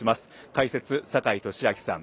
解説、坂井利彰さん